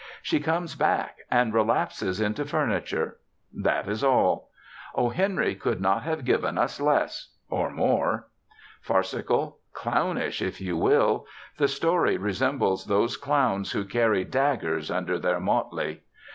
She comes back, and relapses into furniture. That is all. O. Henry could not have given us less or more. Farcical, clownish, if you will, the story resembles those clowns who carry daggers under their motley.